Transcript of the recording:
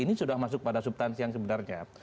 ini sudah masuk pada subtansi yang sebenarnya